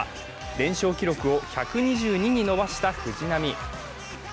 連勝記録を１２２に伸ばした藤波。